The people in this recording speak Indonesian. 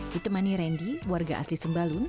ditemani randy warga asli sembalun